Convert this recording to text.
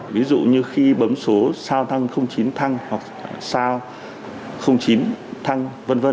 ví dụ như khi bấm số sao tăng chín thăng hoặc sao chín thăng v v